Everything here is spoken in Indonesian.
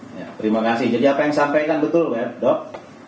ya terima kasih jadi apa yang disampaikan betul mbak dok